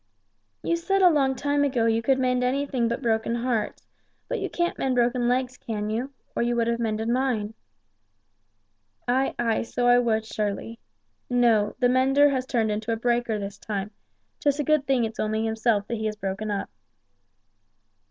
"You said a long time ago you could mend anything but broken hearts, but you can't mend broken legs, can you? Or you would have mended mine." "Ay, ay, so I would, surely. No the mender has turned into a breaker this time, 'tis a good thing it's only himself that he has broken up."